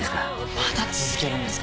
「まだ続けるんですか？」